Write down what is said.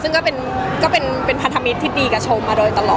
ซึ่งก็เป็นพันธมิตที่ดีกับชม